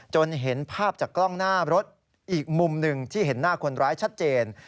เห็นภาพจากกล้องหน้ารถอีกมุมหนึ่งที่เห็นหน้าคนร้ายชัดเจน